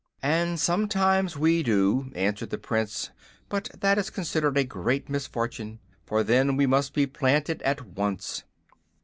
"And sometimes we do," answered the Prince; "but that is considered a great misfortune, for then we must be planted at once."